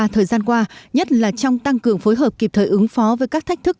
thời gian qua nhất là trong tăng cường phối hợp kịp thời ứng phó với các thách thức